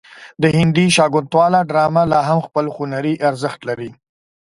د هندي شاکونتالا ډرامه لا هم خپل هنري ارزښت لري.